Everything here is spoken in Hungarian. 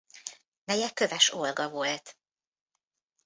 Neje Kövess Olga volt.